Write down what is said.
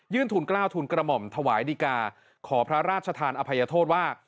ทุนกล้าวทุนกระหม่อมถวายดีกาขอพระราชทานอภัยโทษว่า